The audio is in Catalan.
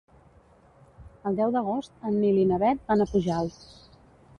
El deu d'agost en Nil i na Bet van a Pujalt.